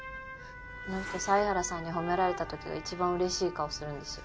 この人犀原さんに褒められたときがいちばんうれしい顔するんですよ。